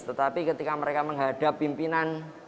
tetapi ketika mereka menghadap pimpinan